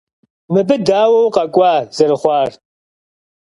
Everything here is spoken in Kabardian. Мыбы дауэ укъэкӀуа зэрыхъуар?